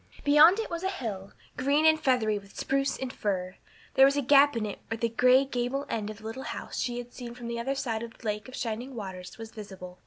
Beyond it was a hill, green and feathery with spruce and fir; there was a gap in it where the gray gable end of the little house she had seen from the other side of the Lake of Shining Waters was visible.